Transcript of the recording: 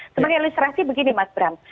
sebagai ilustrasi begini mas bram